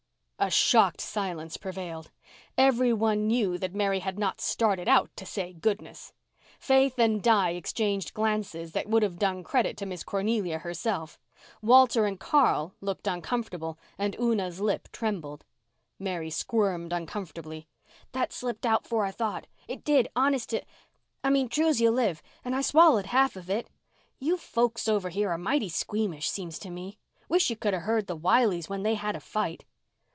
A shocked silence prevailed. Every one knew that Mary had not started out to say "goodness." Faith and Di exchanged glances that would have done credit to Miss Cornelia herself. Walter and Carl looked uncomfortable and Una's lip trembled. Mary squirmed uncomfortably. "That slipped out 'fore I thought—it did, honest to—I mean, true's you live, and I swallowed half of it. You folks over here are mighty squeamish seems to me. Wish you could have heard the Wileys when they had a fight."